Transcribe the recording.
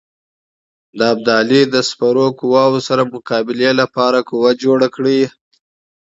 د ابدالي د سپرو قواوو سره مقابلې لپاره قوه جوړه کړي.